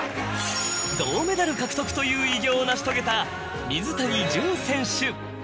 銅メダル獲得という偉業を成し遂げた。